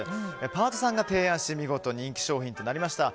パートさんが提案して見事、人気商品となりました。